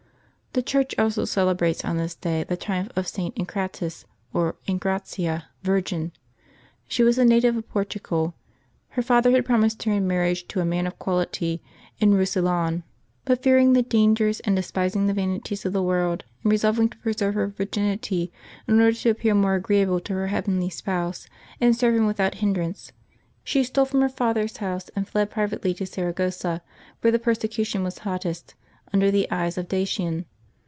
The Church also celebrates on this day the triumph of St. Encratis, or Engratia, Virgin. She was a native of Portugal. Her father had promised her in marriage t>o a man of quality in Eousillon ; but fearing the dangers and despising the vanities of the world, and resolving to pre serve her virginity, in order to appear more agreeable to her heavenly Spouse and serve Him without hindrance, she Btole from her father's house and fled privately to Sara gossa, where the persecution was hottest, under the eyes of Dacian.